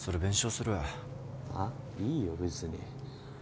いいよ別に。